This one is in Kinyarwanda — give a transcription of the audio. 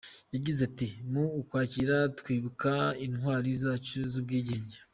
Yagize ati: “Mu Ukwakira, twibuka intwari zacu z’ubwigenge.”